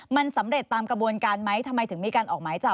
มันสำเร็จตามกระบวนการไหมทำไมถึงมีการออกหมายจับ